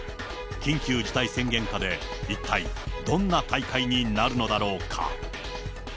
緊急事態宣言下で一体、どんな大会になるのだろうか。